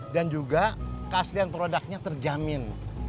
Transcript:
dan juga keaslian produknya terjamin